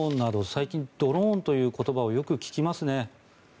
最近、ドローンという言葉をよく聞きますね。